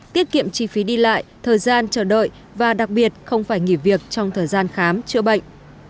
tiết kiệm chi phí đi lại thời gian chờ đợi và đặc biệt không phải nghỉ việc trong thời gian khám chữa bệnh